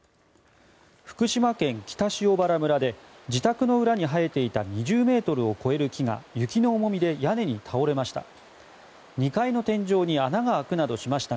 福島県北塩原村で自宅の裏に生えていた２０ｍを超える木が雪の重みで屋根に倒れました。